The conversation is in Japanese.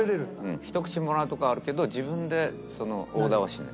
ひと口もらうとかはあるけど自分でオーダーはしない。